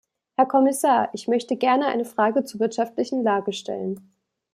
Herr Kommissar! Ich möchte gerne eine Frage zur wirtschaftlichen Lage stellen.